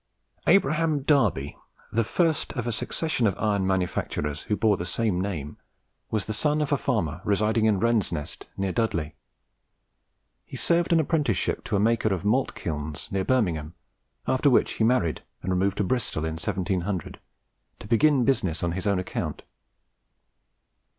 Abraham Darby, the first of a succession of iron manufacturers who bore the same name, was the son of a farmer residing at Wrensnest, near Dudley. He served an apprenticeship to a maker of malt kilns near Birmingham, after which he married and removed to Bristol in 1700, to begin business on his own account.